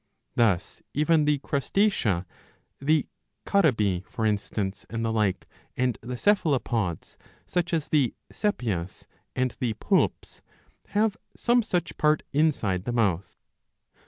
Thus even the Crustacea,^* the Carabi for instance and the like, and the Cephalopods, such as the Sepias and the Poulps, have some such part inside the mouth.